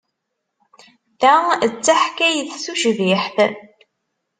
Ta d taḥkayt tucbiḥt.